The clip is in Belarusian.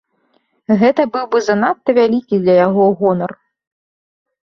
Гэта быў бы занадта вялікі для яго гонар.